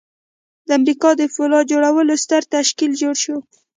د امریکا د پولاد جوړولو ستر تشکیل جوړ شو